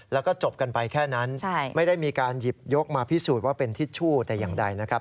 แล้วก็จบกันไปแค่นั้นไม่ได้มีการหยิบยกมาพิสูจน์ว่าเป็นทิชชู่แต่อย่างใดนะครับ